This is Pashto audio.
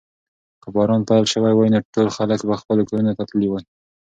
که باران پیل شوی وای نو ټول خلک به خپلو کورونو ته تللي وای.